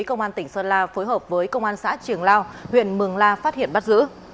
công an tỉnh sơn la phối hợp với công an xã trường lao huyện mường la phát hiện bắt giữ